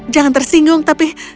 jangan tersinggung tapi